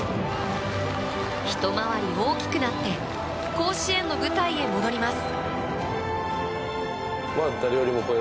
ひと回り大きくなって甲子園の舞台へ戻ります。